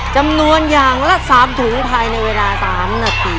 จำนวนอย่างละ๓ถุงภายในเวลา๓นาที